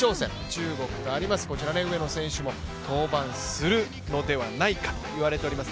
中国とあります、こちら上野選手も登板するのではないかといわれております。